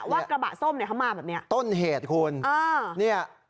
กระบะส้มเนี่ยเขามาแบบเนี้ยต้นเหตุคุณอ่าเนี่ย